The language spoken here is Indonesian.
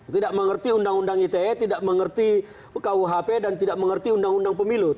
tidak mengerti undang undang ite tidak mengerti kuhp dan tidak mengerti undang undang pemilu